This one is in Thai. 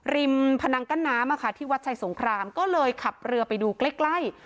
พนังกั้นน้ำที่วัดชัยสงครามก็เลยขับเรือไปดูใกล้ใกล้